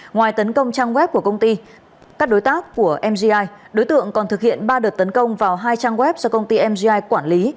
ngoài tấn công trang web của công ty các đối tác của mgi đối tượng còn thực hiện ba đợt tấn công vào hai trang web do công ty mgi quản lý